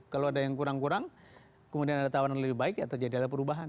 kalau ada yang kurang kurang kemudian ada tawaran lebih baik ya terjadi ada perubahan